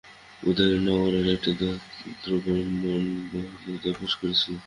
উজ্জয়িনী নগরে এক দরিদ্র ব্রাহ্মণ বহুকালাবধি তপস্যা করিতেছিলেন।